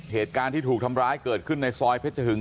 เหตุการณ์ที่ถูกทำร้ายเกิดขึ้นในซอยเพชรหึง